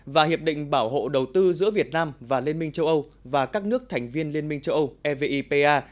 và hiệp định bảo hộ đầu tư giữa việt nam và liên minh châu âu và các nước thành viên liên minh châu âu evipa